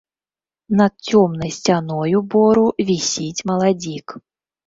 Над цёмнай сцяною бору вісіць маладзік.